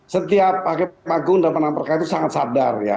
setiap hakim agung dan penampakan itu sangat sadar ya